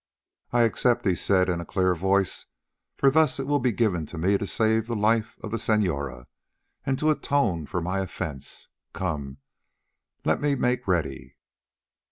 "I accept," he said in a clear voice, "for thus will it be given to me to save the life of the Senora, and to atone for my offence. Come, let me make ready."